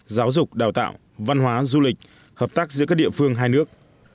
giáo dục đào tạo văn hóa du lịch hợp tác giữa các địa phương hai nước